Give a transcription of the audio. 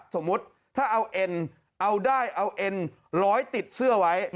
สมมุติถ้าเอาเอ็นเอาได้เอาเอ็นร้อยติดเสื้อไว้